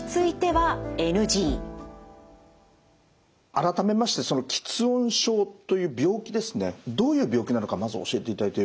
改めましてその吃音症という病気ですねどういう病気なのかまず教えていただいてよろしいでしょうか。